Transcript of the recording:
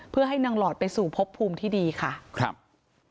เพื่อให้นางหลอดไปสู่พบภูมิที่ดีค่ะครับ